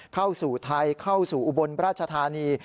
เข้าสู่ไทยเข้าสู่อุบลราชธานี